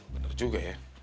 bener juga ya